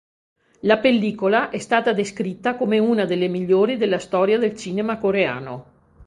La pellicola è stata descritta come una delle migliori della storia del cinema coreano.